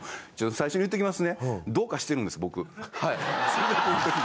最初に言うときます。